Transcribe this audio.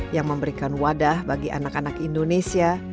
yang memberikan wadah bagi anak anak indonesia